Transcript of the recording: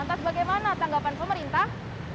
antas bagaimana tanggapan pemerintah